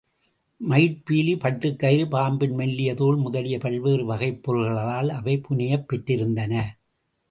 மயிற்பீலி, பட்டுக் கயிறு, பாம்பின் மெல்லிய தோல் முதலிய பல்வேறு வகைப் பொருள்களால் அவை புனையப் பெற்றிருந்தன.